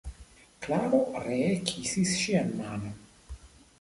Klaro ree kisis ŝian manon.